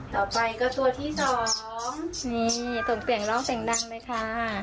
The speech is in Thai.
ต่อไปก็ตัวที่สองนี่ส่งเสียงร้องเสียงดังเลยค่ะ